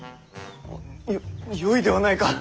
よよいではないか。